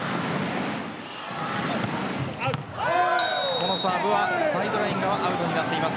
このサーブはサイドライン側でアウトインになっています。